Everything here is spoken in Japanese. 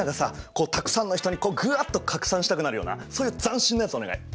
こうたくさんの人にグワッと拡散したくなるようなそういう斬新なやつお願い！